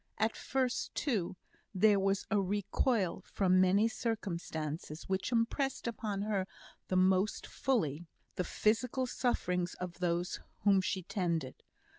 At first, too, there was a recoil from many circumstances, which impressed upon her the most fully the physical sufferings of those whom she tended.